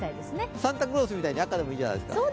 サンタクロースみたいに、赤でもいいんじゃないですか。